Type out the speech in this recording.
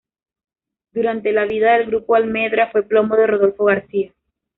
Durante la vida del grupo Almendra fue plomo de Rodolfo García.